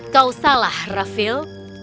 kau salah raphel